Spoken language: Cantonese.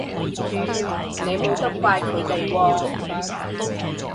你冇得怪佢哋喎